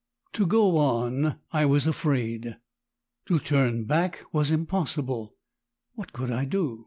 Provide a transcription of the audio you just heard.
To go on I was afraid, to turn back was impossible; what could I do?